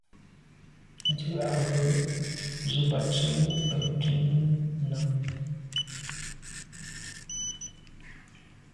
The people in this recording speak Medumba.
Ndù à ghù ze mba tsemo’ benntùn nà.